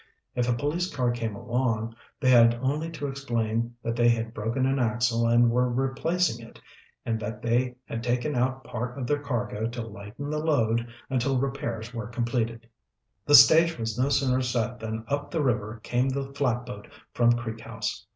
If a police car came along, they had only to explain that they had broken an axle and were replacing it, and that they had taken out part of their cargo to lighten the load until repairs were completed. The stage was no sooner set than up the river came the flatboat from Creek House.